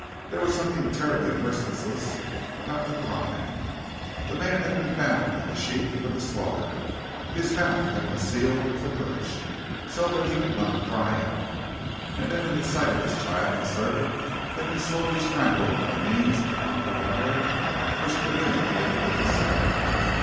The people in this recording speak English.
There was something terribly merciless about this crime. The man had been bound like a sheep for the slaughter; his mouth had been sealed with the brooch so that he could not cry out, and then in the sight of his child and servant he had been slowly strangled by means of the copper wire which communicated with the cellar.